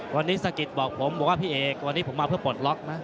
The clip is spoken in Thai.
พี่เอ็กซ์จะมาเพื่อปล่อยล็อคมา